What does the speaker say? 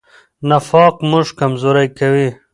نفاق موږ کمزوري کوي.